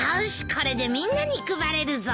これでみんなに配れるぞ。